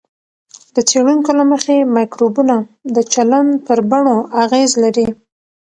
د څېړونکو له مخې، مایکروبونه د چلند پر بڼو اغېز لري.